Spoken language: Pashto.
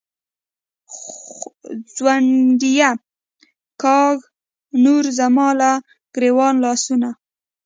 “ځونډیه”کاږه نور زما له ګرېوانه لاسونه